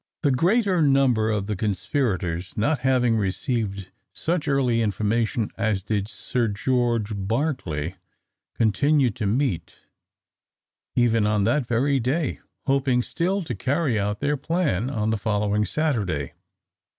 The greater number of the conspirators not having received such early information as did Sir George Barclay, continued to meet, even on that very day, hoping still to carry out their plan on the following Saturday.